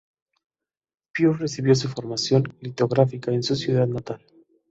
Pius recibió su formación litográfica en su ciudad natal.